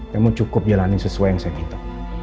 kamu cukup jalanin sesuai yang saya minta